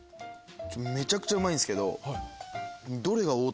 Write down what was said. めちゃくちゃうまいんですけど。